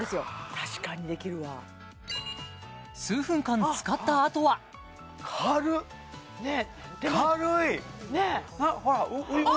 確かにできるわ数分間使ったあとはねっほらおお！